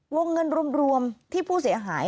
วงเงินรวมที่ผู้เสียหาย